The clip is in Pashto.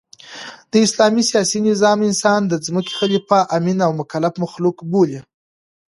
د اسلام سیاسي نظام انسان د مځکي خلیفه، امین او مکلف مخلوق بولي.